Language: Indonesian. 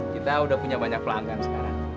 kita sudah punya banyak pelanggan sekarang